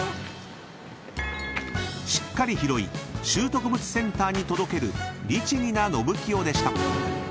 ［しっかり拾い拾得物センターに届ける律義なのぶきよでした］